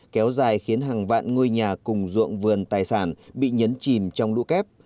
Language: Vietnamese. kéo dài khiến hàng vạn ngôi nhà cùng ruộng vườn tài sản bị nhấn chìm trong lũ kép